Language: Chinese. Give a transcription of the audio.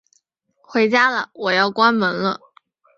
回家啦，我要关门了